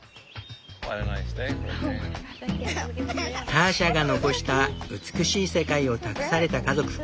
ターシャが残した美しい世界を託された家族。